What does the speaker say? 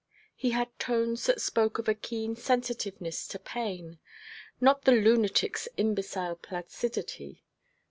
He had tones that spoke of a keen sensitiveness to pain, not the lunatic's imbecile placidity.